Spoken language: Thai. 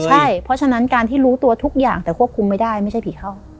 ใช่เพราะฉะนั้นการที่รู้ตัวทุกอย่างแต่ควบคุมไม่ได้ไม่ใช่ผีเข้า